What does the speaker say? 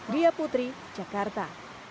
gia putri jakarta